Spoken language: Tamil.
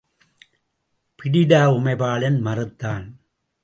பிடிடா உமைபாலன் மறுத்தான்.